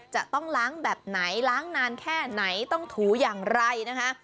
จะต้องล้างแบบไหนล้างนานแค่ไหนต้องถูอย่างไรนะคะ